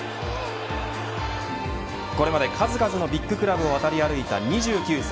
これまで数々のビッググラブを渡り歩いた２９歳。